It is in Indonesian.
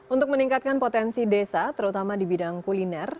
untuk meningkatkan potensi desa terutama di bidang kuliner